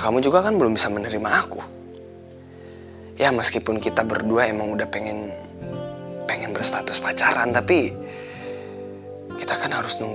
kamu gak bakalan kenapa kenapa kok